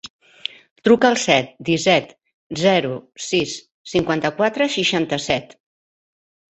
Truca al set, disset, zero, sis, cinquanta-quatre, seixanta-set.